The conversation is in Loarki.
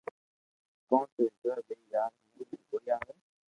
ڪو تو ووندو ٻيئي يار ھمج مي ڪوئي آوي